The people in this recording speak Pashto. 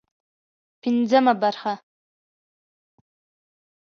پنځمه برخه